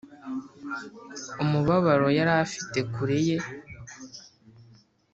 umubabaro yari afite kure ye